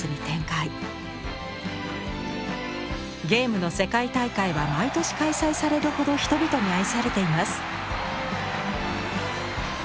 ゲームの世界大会は毎年開催されるほど人々に愛されています。